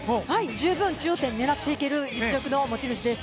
十分、頂点を狙っていける実力の持ち主です。